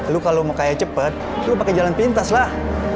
lu kalo mau kaya cepet lu pake jalan pintas lah